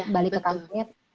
balik ke kampungnya